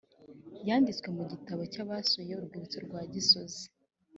yanditswe mu gitabo cyabasuye urwibutso rwa gisozi